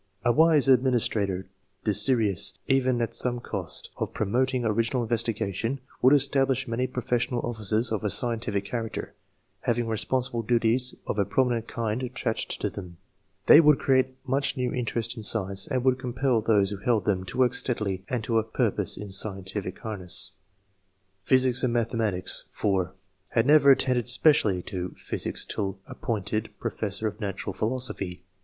A wise adminis trator, desirous, even at some cost, of promoting original investigation, would establish many professional oflSces of a scientific character, having responsible duties of a prominent kind attached to them. They would create much new interest in science, and would compel those who held them, to work steadily and to a purpose in scientific harness. and Mathematics. — (4) Had never III.] ORIGIN OF TASTE FOE SCIENCE. 203 attended specially to physics till appointed pro fessor of natural philosophy.